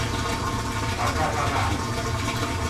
А как она?